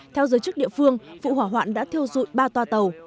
theo giới chức địa phương vụ hỏa hoạn đã thiêu dụi ba toa tàu